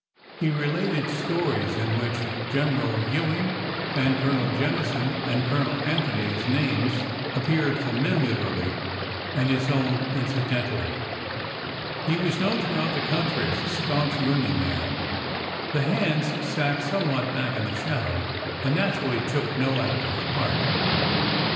He related stories in which General Ewing and Colonel Jennison and Colonel Anthony's names ap peared familiarly— and his own incidentally. He was 250 ORDER NO. 11 known throughout the country as a staunch Union man. The " hands '' sat somewhat back in the shadow, and natu rally took no active part.